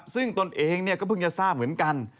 ซึ่งตนเองก็เพิ่งจะทราบเหมือนกัน